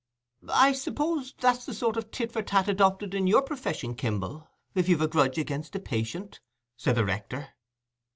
"I suppose that's the sort of tit for tat adopted in your profession, Kimble, if you've a grudge against a patient," said the rector.